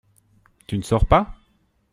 Tu ne sors pas ?